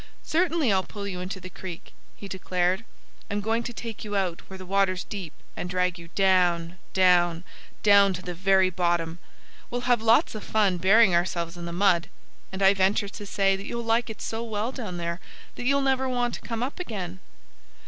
"Certainly I'll pull you into the creek," he declared. "I'm going to take you out where the water's deep, and drag you down, down, down to the very bottom. We'll have lots of fun burying ourselves in the mud. And I venture to say that you'll like it so well down there that you'll never want to come up again."